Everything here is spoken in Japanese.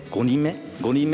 ５人目？